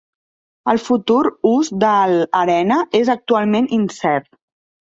El futur ús del arena és actualment incert.